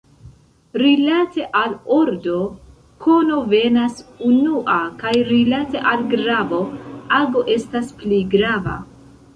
Rilate al ordo, kono venas unua, kaj rilate al gravo, ago estas pli grava.